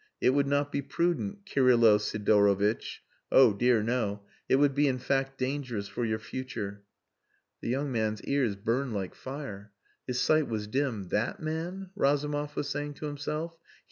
It would not be prudent, Kirylo Sidorovitch. Oh dear no! It would be in fact dangerous for your future." The young man's ears burned like fire; his sight was dim. "That man!" Razumov was saying to himself.